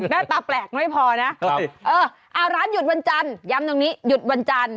หน้าตาแปลกไม่พอนะร้านหยุดวันจันทร์ย้ำตรงนี้หยุดวันจันทร์